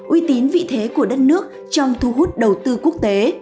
uy tín vị thế của đất nước trong thu hút đầu tư quốc tế